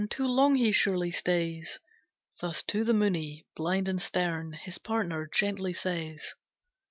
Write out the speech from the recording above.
Too long he surely stays." Thus to the Muni, blind and stern, His partner gently says.